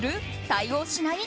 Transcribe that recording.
対応しない？